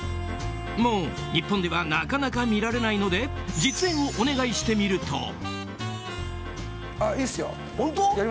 もう日本ではなかなか見られないので実演をお願いしてみると。